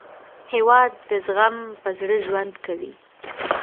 هېواد د زغم په زړه ژوند کوي.